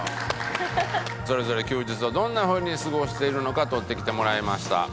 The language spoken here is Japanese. それぞれ休日をどんな風に過ごしているのか撮ってきてもらいました。